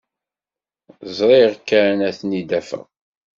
Sriɣ kan ad ten-id-afeɣ.